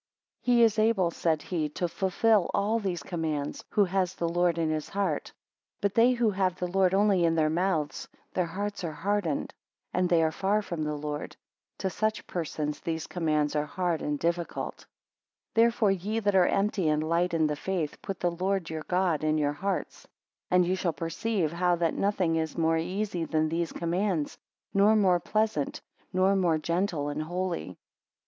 20 He is able, said he, to fulfil all these commands, who has the Lord in his heart; but they who have the Lord only in their mouths, their hearts are hardened, and they are far from the Lord: to such persons these commands are hard and difficult. 21 Therefore, ye that are empty and light in the faith, put the Lord your God in your hearts; and ye shall perceive how that nothing is more easy than these commands, nor more pleasant, nor more gentle and holy.